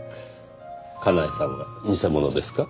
かなえさんは偽物ですか？